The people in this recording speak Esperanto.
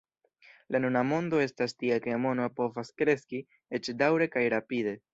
La nuna mondo estas tia ke mono povas kreski, eĉ daŭre kaj rapide.